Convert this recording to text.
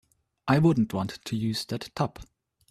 I wouldn't want to use that tub.